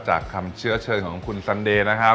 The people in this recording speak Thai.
คำเชื้อเชิญของคุณสันเดย์นะครับ